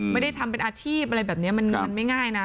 ไม่ได้ทำเป็นอาชีพอะไรแบบนี้มันไม่ง่ายนะ